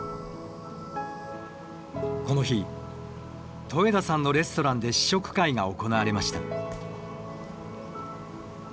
この日戸枝さんのレストランで試食会が行われました。